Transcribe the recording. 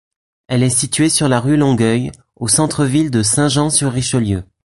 Elle est située sur la rue Longueuil, au centre-ville de Saint-Jean-sur-Richelieu.